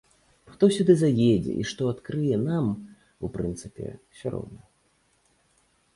Хто сюды заедзе і што адкрые, нам, у прынцыпе, усё роўна.